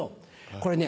これね